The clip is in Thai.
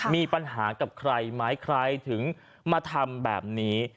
มีปัญหากับใครไหมใครถึงมาทำแบบนี้